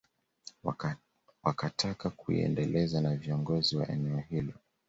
Wakataka kuiendeleza na viongozi wa eneo hilo